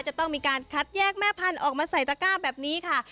จะต้องมีการคัดแยกแม่พันธุ์ออกมาใส่ตะก้าแบบนี้ค่ะ